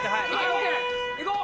行こう！